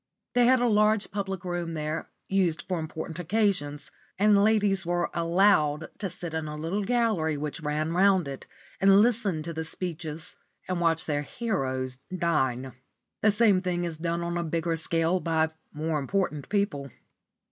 They had a large public room there, used for important occasions; and ladies were allowed to sit in a little gallery which ran round it, and listen to the speeches and watch their heroes dine. The same thing is done on a bigger scale by more important people.